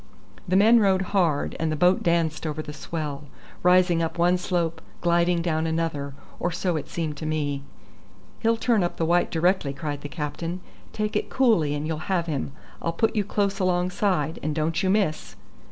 The men rowed hard, and the boat danced over the swell, rising up one slope, gliding down another, or so it seemed to me. "He'll turn up the white directly," cried the captain. "Take it coolly and you'll have him. I'll put you close alongside, and don't you miss."